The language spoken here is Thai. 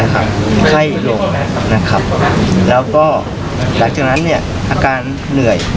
ไข้ลงแล้วก็หลังจากนั้นอาการเหนื่อย